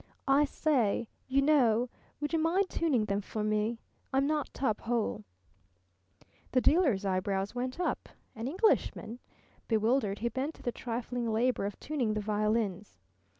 "I say, you know, would you mind tuning them for me? I'm not top hole." The dealer's eyebrows went up. An Englishman? Bewildered, he bent to the trifling labour of tuning the violins.